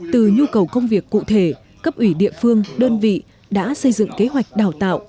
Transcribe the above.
từ nhu cầu công việc cụ thể cấp ủy địa phương đơn vị đã xây dựng kế hoạch đào tạo